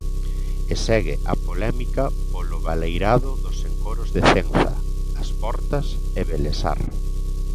E segue a polémica polo baleirado dos encoros de Cenza, As Portas e Belesar.